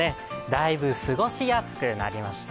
だいぶ過ごしやすくなりました。